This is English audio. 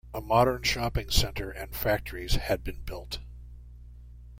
A modern shopping centre and factories had been built.